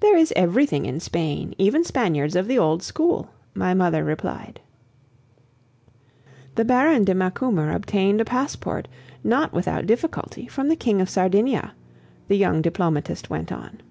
"There is everything in Spain, even Spaniards of the old school," my mother replied. "The Baron de Macumer obtained a passport, not without difficulty, from the King of Sardinia," the young diplomatist went on.